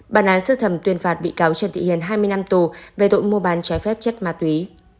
bà nàng sư thẩm tuyên phạt bị cáo trần thị hiền hai mươi năm tù về tội mua bán trái phép chất ma túy